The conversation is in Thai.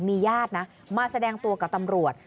มีญาตินะมาแสดงตัวกับตำรวจ